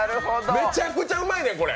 めちゃくちゃうまいねん、これ！